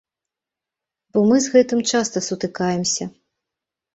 Бо мы з гэтым часта сутыкаемся.